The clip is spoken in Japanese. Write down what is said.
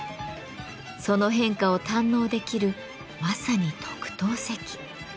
その変化を堪能できるまさに特等席。